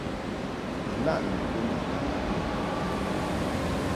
Ilaʼ nu bo ni ntaŋ a bə i mbɔŋkɛd.